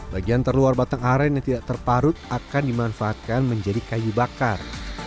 bagian terluar batang aren yang tidak terparut akan dimanfaatkan menjadi kayu bakar